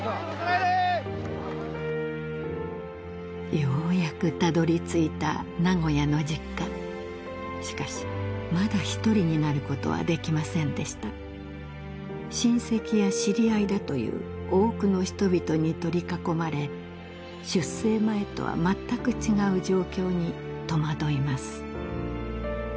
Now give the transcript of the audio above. ようやくたどり着いた名古屋の実家しかしまだ一人になることはできませんでした親戚や知り合いだという多くの人々に取り囲まれ出征前とは全く違う状況に戸惑います